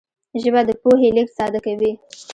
ژبه د پوهې لېږد ساده کوي